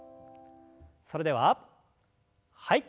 それでははい。